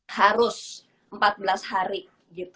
harus empat belas hari